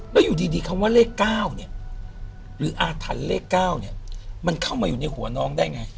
แล้วอยู่ดีคำว่าเลข๙เนี่ยหรืออาถรรพ์เลข๙เนี่ยมันเข้ามาอยู่ในหัวน้องได้ไง